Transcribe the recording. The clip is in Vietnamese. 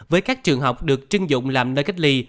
với các trường học được trưng dụng làm nơi cách ly